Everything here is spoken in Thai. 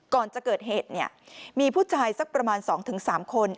ก่อนจะเกิดเหตุเนี่ยมีผู้ชายสักประมาณ๒๓คน